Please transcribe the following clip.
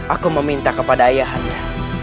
aku meminta kepada ayahanda